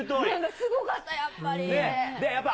すごかった、やっぱり。